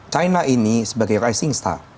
china ini sebagai rising star